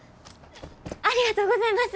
ありがとうございます！